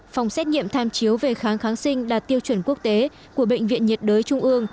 phòng xét nghiệm tham chiếu về kháng kháng sinh đạt tiêu chuẩn quốc tế của bệnh viện nhiệt đới trung ương